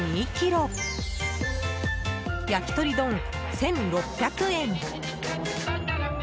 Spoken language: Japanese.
焼鳥丼、１６００円。